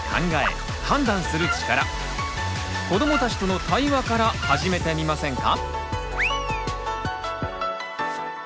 子どもたちとの対話から始めてみませんか？